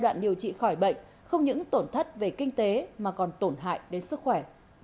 trong điều trị khỏi bệnh không những tổn thất về kinh tế mà còn tổn hại đến sức khỏe